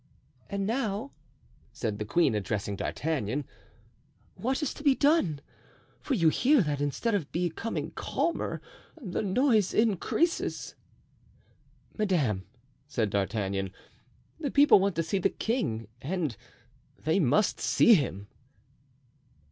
"And now," said the queen, addressing D'Artagnan, "what is to be done? for you hear that, instead of becoming calmer, the noise increases." "Madame," said D'Artagnan, "the people want to see the king and they must see him."